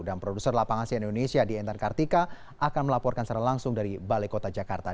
dan produser lapangan sian indonesia dian tan kartika akan melaporkan secara langsung dari balai kota jakarta